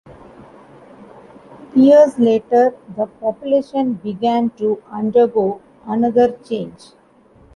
Years later the population began to undergo another change.